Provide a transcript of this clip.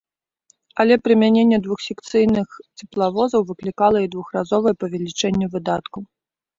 Але прымяненне двухсекцыйных цеплавозаў выклікала і двухразовае павелічэнне выдаткаў.